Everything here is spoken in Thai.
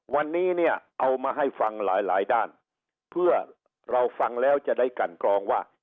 วันนี้เนี่ยเอามาให้ฟังหลายหลายด้านเพื่อเราฟังแล้วจะได้กันกรองว่า